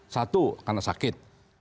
satu karena sakit